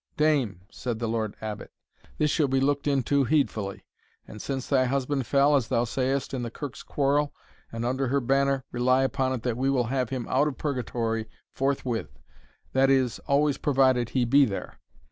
"Dame," said the Lord Abbot, "this shall be looked into heedfully; and since thy husband fell, as thou sayest, in the Kirk's quarrel, and under her banner, rely upon it that we will have him out of purgatory forthwith that is, always provided he be there.